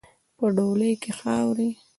په ډولۍ کې خاروئ.